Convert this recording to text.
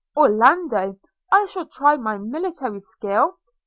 – Orlando, shall I try my military skill?